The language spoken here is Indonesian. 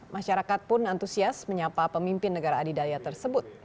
masyarakat pun antusias menyapa pemimpin negara adidaya tersebut